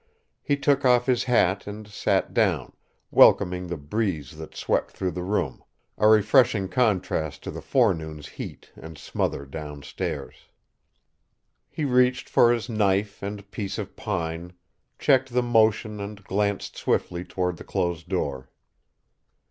He took off his hat and sat down, welcoming the breeze that swept through the room, a refreshing contrast to the forenoon's heat and smother downstairs. He reached for his knife and piece of pine, checked the motion and glanced swiftly toward the closed door.